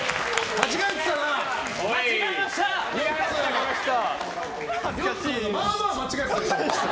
間違えました！